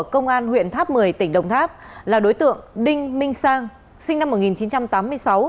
công an huyện tháp một mươi tỉnh đồng tháp là đối tượng đinh minh sang sinh năm một nghìn chín trăm tám mươi sáu